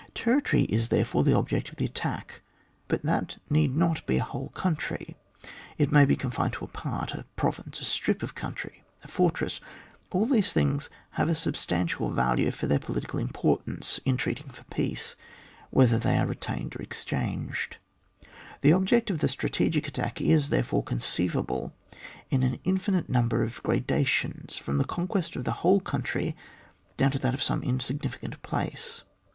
Territory is, therefore, the object of the attack ; but that need not be a whole country, it may be confined to a part, a province, a strip of country, a fortress. AU these things may have a substantial value from their political importance, in treating for peace, whether they are retained or exchanged. The object of the strategic attack is, therefore, conceivable in an infinite num ber of gradations, from the conquest of the whole country down to that of some insignificant place.